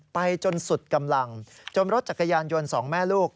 จนสุดกำลังจนรถจักรยานยนต์สองแม่ลูก